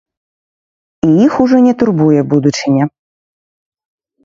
І іх ужо не турбуе будучыня.